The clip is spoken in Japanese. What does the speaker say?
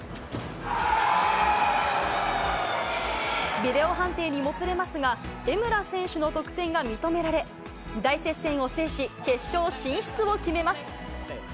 ビデオ判定にもつれますが、江村選手の得点が認められ、大接戦を制し、決勝進出を決めます。